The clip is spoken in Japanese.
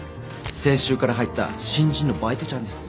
先週から入った新人のバイトちゃんです。